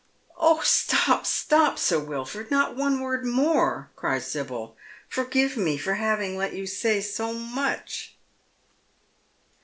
"Oh, stop, stop, Sir Wilford! Not one word more!" cries Sibyl, " Forgive me for having let you say so much."